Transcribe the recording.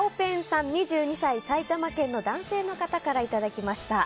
２２歳、埼玉県の男性の方からいただきました。